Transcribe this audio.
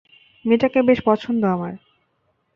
মেয়েটাকে বেশ পছন্দ আমার।